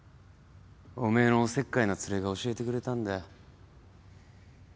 おめえのおせっかいなツレが教えてくれたんだよ。